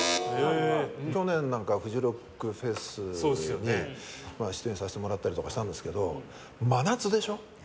去年なんかフジロックフェスに出演させてもらったりとかしたんですけど真夏でしょ？